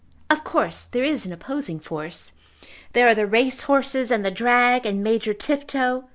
"Of course there is an opposing force. There are the race horses, and the drag, and Major Tifto.